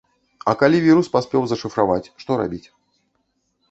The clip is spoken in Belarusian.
А калі вірус паспеў зашыфраваць, што рабіць?